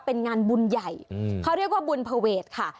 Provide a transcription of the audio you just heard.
เป็นงานบุญใหญ่เขาเรียกว่าบุญภเวทค่ะ